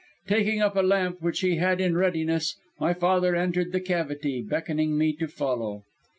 Taking up a lamp, which he had in readiness, my father entered the cavity, beckoning me to follow.